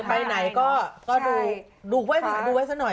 ไปไหนก็ดูไว้ซะหน่อย